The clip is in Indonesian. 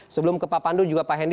sebelum ke pak pandu juga pak hendy